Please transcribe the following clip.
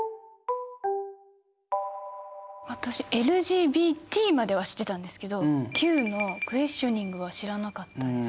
私ＬＧＢＴまでは知ってたんですけど「Ｑ」のクエスチョニングは知らなかったです。